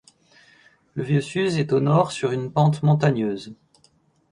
Le vieux Suze est au nord sur une pente montagneuse.